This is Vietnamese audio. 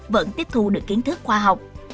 vẫn tiếp thu được kiến thức khoa học